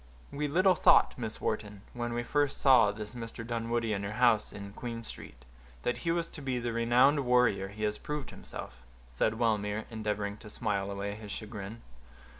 "We little thought, Miss Wharton, when I first saw this Mr. Dunwoodie in your house in Queen Street, that he was to be the renowned warrior he has proved himself," said Wellmere, endeavoring to smile away his chagrin.